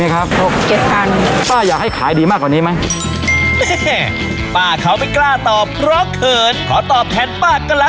คายดีไหมครับ